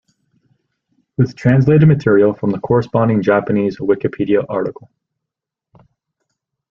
"With translated material from the corresponding Japanese Wikipedia article"